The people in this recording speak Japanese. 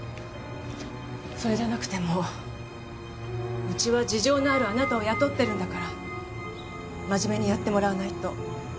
それじゃなくてもうちは事情のあるあなたを雇ってるんだから真面目にやってもらわないと。